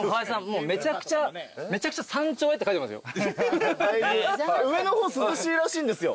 もうめちゃくちゃ「山頂へ」って書いてますよ。